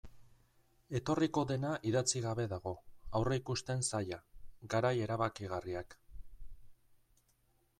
Etorriko dena idatzi gabe dago, aurreikusten zaila, garai erabakigarriak...